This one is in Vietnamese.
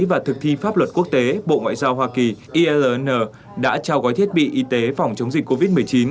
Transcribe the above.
và thực thi pháp luật quốc tế bộ ngoại giao hoa kỳ irn đã trao gói thiết bị y tế phòng chống dịch covid một mươi chín